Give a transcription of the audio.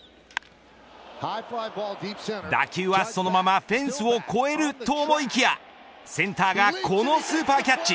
打球はそのままフェンスを越えると思いきやセンターがこのスーパーキャッチ。